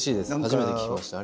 初めて聞きました。